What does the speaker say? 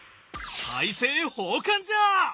大政奉還じゃ！